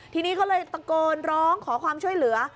ทีนี้ก็เลยตะโกนร้องขอความช่วยเหลือ